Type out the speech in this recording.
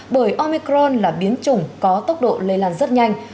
bởi omicron là biến chủng có tốc độ lây lan rất nhanh